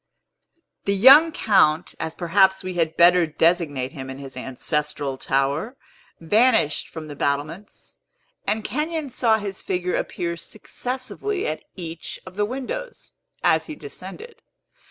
The young Count as perhaps we had better designate him in his ancestral tower vanished from the battlements; and Kenyon saw his figure appear successively at each of the windows, as he descended.